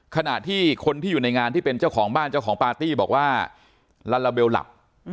ขณะที่คนที่อยู่ในงานที่เป็นเจ้าของบ้านเจ้าของปาร์ตี้บอกว่าลาลาเบลหลับ